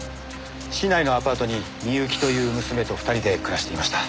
市内のアパートに美雪という娘と２人で暮らしていました。